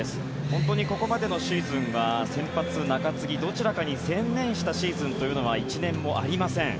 本当にここまでのシーズンは先発、中継ぎどちらかに専念したシーズンというのは１年もありません。